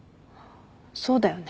そうだよね。